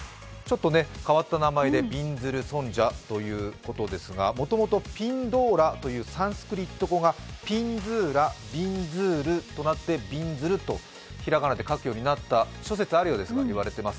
変わった名前でびんずる尊者ということですが、もともとピンドーラというサンスクリット名がピンドーラ、ピンズーラとなって、ビンズールと、平仮名で書くようになった、諸説あるようですが、言われています。